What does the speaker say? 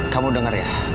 kamu denger ya